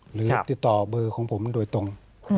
หรือติดต่อเบอร์ของผมโดยตรง